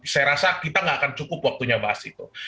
saya rasa kita nggak akan cukup waktunya bahas itu